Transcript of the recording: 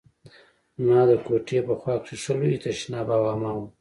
زما د کوټې په خوا کښې ښه لوى تشناب او حمام و.